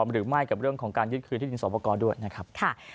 หรือไม่กับเรื่องของการยึดคืนที่ดินสอบประกอบด้วยนะครับ